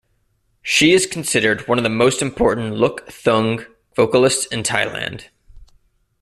She is considered one of the most important Luk Thung vocalists in Thailand.